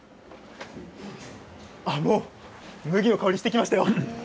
もう麦の香りがしてきましたよ。